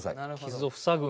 傷を塞ぐ。